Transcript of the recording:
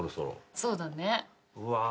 もうだね。